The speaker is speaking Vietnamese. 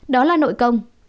đó là nội công